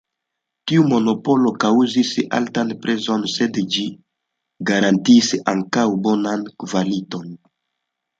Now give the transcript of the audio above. Tiu monopolo kaŭzis altan prezon, sed ĝi garantiis ankaŭ bonan kvaliton.